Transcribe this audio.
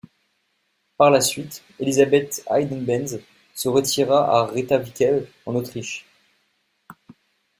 Par la suite, Élisabeth Eidenbenz se retira à Retawinkel, en Autriche.